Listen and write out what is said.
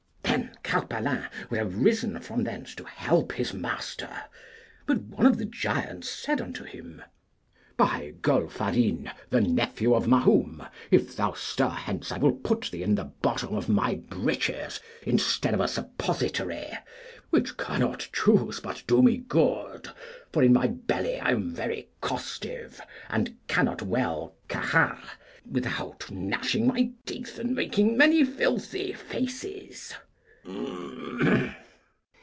Then Carpalin would have risen from thence to help his master; but one of the giants said unto him, By Golfarin, the nephew of Mahoom, if thou stir hence I will put thee in the bottom of my breeches instead of a suppository, which cannot choose but do me good. For in my belly I am very costive, and cannot well cagar without gnashing my teeth and making many filthy faces.